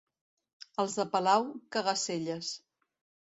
Els de Palau, caga-selles.